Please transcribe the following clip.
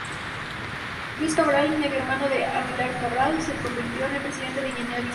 Luís Cabral, medio hermano de Amílcar Cabral, se convirtió en el presidente de Guinea-Bisáu.